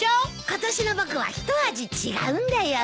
今年の僕は一味違うんだよ。